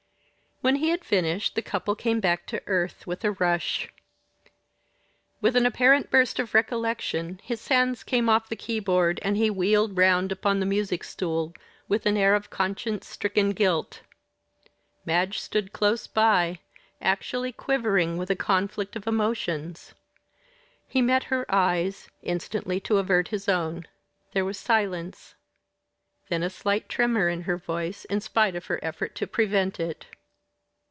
When he had finished, the couple came back to earth, with a rush. With an apparent burst of recollection his hands came off the keyboard, and he wheeled round upon the music stool with an air of conscience stricken guilt. Madge stood close by, actually quivering with a conflict of emotions. He met her eyes instantly to avert his own. There was silence then a slight tremor in her voice in spite of her effort to prevent it.